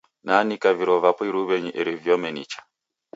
Naanika viro vapo irumenyi eri viome nicha.